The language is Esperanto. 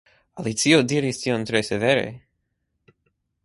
Alicio diris tion tre severe.